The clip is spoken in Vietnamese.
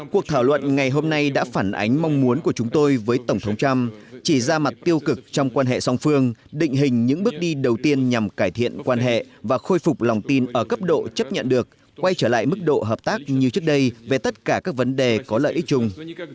cuộc thảo luận ngày hôm nay đã phản ánh mong muốn của chúng tôi với tổng thống trump chỉ ra mặt tiêu cực trong quan hệ song phương định hình những bước đi đầu tiên nhằm cải thiện quan hệ và khôi phục lòng tin ở cấp độ chấp nhận được quay trở lại mức độ hợp tác như trước đây về tất cả các vấn đề có lợi ích chung